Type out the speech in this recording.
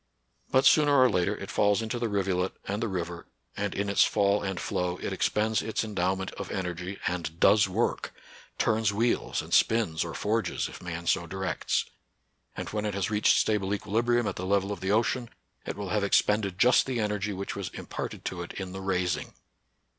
But sooner or later it falls into the rivulet and the river, and in its fall and flow it expends its endow ment of energy, and does work, — turns wheels and spins or forges, if man so directs, — and, when it has reached stable equilibrium at the level of the ocean, it will have expended just the energy which was imparted to it in the rais ing.